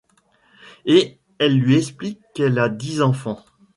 Et elle lui explique qu’elle à dix enfants.